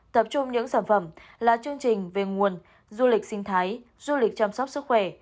tập trung những sản phẩm là chương trình về nguồn du lịch sinh thái du lịch chăm sóc sức khỏe